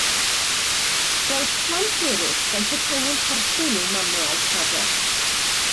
Roedd plant eraill fel petaen nhw'n perthyn i'w mamau a'u tadau.